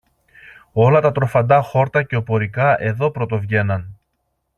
Όλα τα τροφαντά χόρτα και οπωρικά εδώ πρωτοβγαίναν.